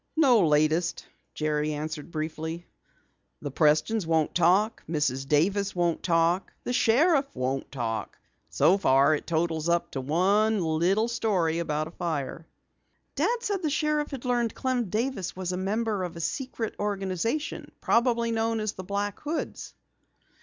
"No latest," Jerry answered briefly. "The Prestons won't talk, Mrs. Davis won't talk, the sheriff won't talk. So far it totals up to one little story about a fire." "Dad said the sheriff had learned Clem Davis was a member of a secret organization, probably known as the Black Hoods."